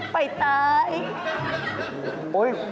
ไปตาย